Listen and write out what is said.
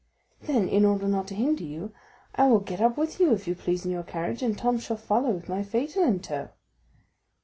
"Then, in order not to hinder you, I will get up with you if you please in your carriage, and Tom shall follow with my phaeton in tow."